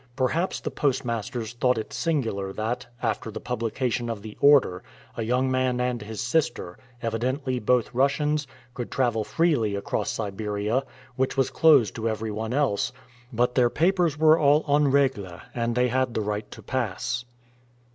Perhaps the postmasters thought it singular that, after the publication of the order, a young man and his sister, evidently both Russians, could travel freely across Siberia, which was closed to everyone else, but their papers were all en règle and they had the right to pass.